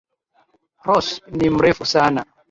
Rose ni mrefu sana.